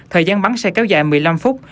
thời gian bắn sẽ kéo dài một mươi năm phút